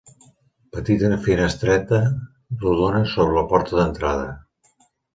Petita finestreta rodona sobre la porta d'entrada.